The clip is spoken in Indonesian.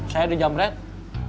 saya yang sedang sempurna